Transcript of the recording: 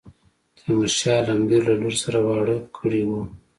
تیمور شاه عالمګیر له لور سره واړه کړی وو.